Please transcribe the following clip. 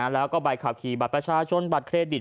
แล้วก็ใบขับขี่บัตรประชาชนบัตรเครดิต